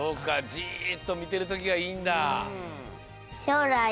じっとみてるときがいいんだ。